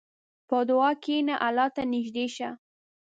په دعا کښېنه، الله ته نږدې شه.